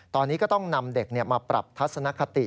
ตอนนี้ก็ต้องนำเด็กมาปรับทัศนคติ